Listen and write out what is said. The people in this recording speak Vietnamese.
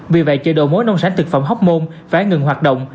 vì vậy chợ đồ mối nông sản thực phẩm hoc mon phải ngừng hoạt động